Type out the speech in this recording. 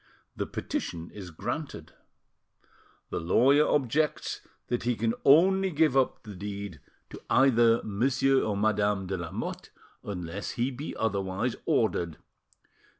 The petition is granted. The lawyer objects that he can only give up the deed to either Monsieur or Madame de Lamotte, unless he be otherwise ordered.